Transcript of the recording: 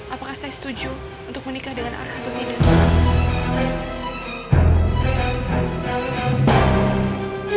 apakah saya setuju untuk menikah dengan arka atau tidak